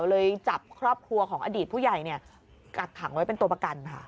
เลยจับครอบครัวของอดีตผู้ใหญ่กักขังไว้เป็นตัวประกันค่ะ